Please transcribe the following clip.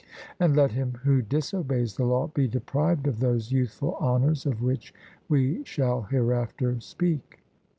And let him who disobeys the law be deprived of those youthful honours of which we shall hereafter speak.